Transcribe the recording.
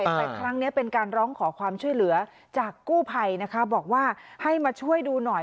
แต่ครั้งนี้เป็นการร้องขอความช่วยเหลือจากกู้ภัยนะคะบอกว่าให้มาช่วยดูหน่อย